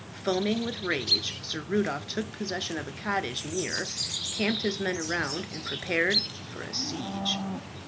Foaming with rage, Sir Rudolph took possession of a cottage near, camped his men around and prepared for a siege.